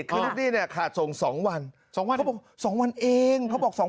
คลิปนี้เนี่ยขาดส่งสองวันสองวันสองวันเองเขาบอกสอง